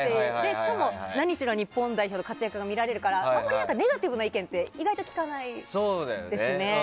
しかも何しろ日本代表の活躍が見られるからあんまりネガティブな意見って意外と聞かないですね。